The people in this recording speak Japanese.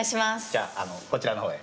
じゃあ、こちらのほうへ。